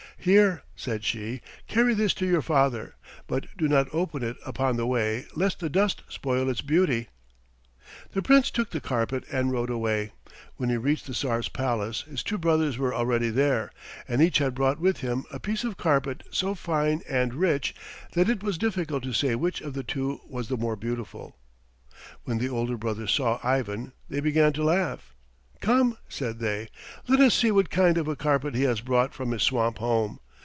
"Here," said she; "carry this to your father, but do not open it upon the way lest the dust spoil its beauty." The Prince took the carpet and rode away. When he reached the Tsar's palace his two brothers were already there, and each had brought with him a piece of carpet so fine and rich that it was difficult to say which of the two was the more beautiful. When the older brothers saw Ivan they began to laugh. "Come!" said they. "Let us see what kind of a carpet he has brought from his swamp home.